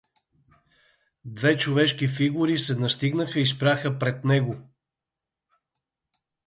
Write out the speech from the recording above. Двете човешки фигури се настигнаха и спряха пред него.